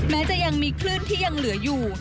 แม้จะยังมีคลื่นที่ยังเหลืออยู่